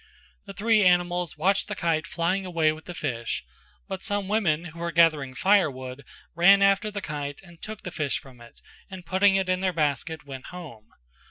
The three animals watched the kite flying away with the fish; but some women who were gathering firewood ran after the kite and took the fish from it and putting it in their basket went home.